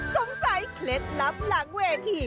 สงสัยเคล็ดลับหลังเวที